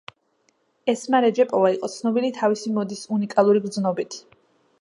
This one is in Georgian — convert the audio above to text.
ესმა რეჯეპოვა იყო ცნობილი თავისი მოდის უნიკალური გრძნობით.